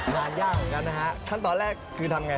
ไม่ได้ไปอีกแล้วไม่ได้